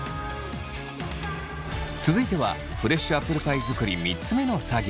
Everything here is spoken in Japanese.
続いてはフレッシュアップルパイ作り３つ目の作業。